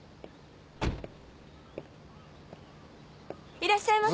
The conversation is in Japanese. いらっしゃいませ。